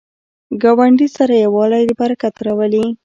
ګاونډي سره یووالی، برکت راولي